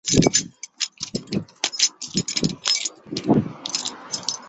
翁赞人口变化图示